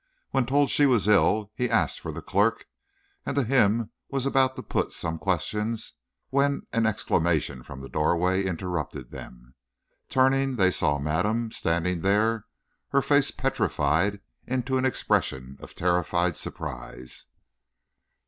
When told she was ill, he asked for the clerk, and to him was about to put some question, when an exclamation from the doorway interrupted them. Turning, they saw madame standing there, her face petrified into an expression of terrified surprise.